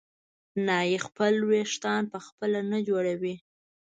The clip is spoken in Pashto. نایي خپل وېښته په خپله نه جوړوي.